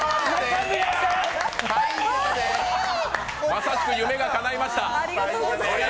まさしく夢が叶いました！